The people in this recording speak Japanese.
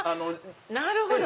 なるほど。